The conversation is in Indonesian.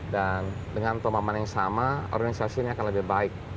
dan dengan pemahaman yang sama organisasi ini akan lebih baik